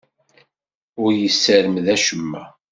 Ur yessermed acemma.